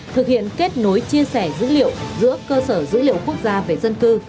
thực hiện kết nối chia sẻ dữ liệu giữa cơ sở dữ liệu quốc gia về dân cư